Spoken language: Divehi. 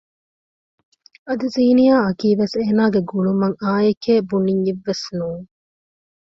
އަދި ޒީނިޔާ އަކީ ވެސް އޭނާގެ ގުޅުމަށް އާއެކޭ ބުނިއްޔެއްވެސް ނޫން